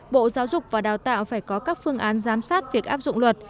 bộ giáo dục và đào tạo phải có các phương án giám sát việc áp dụng luật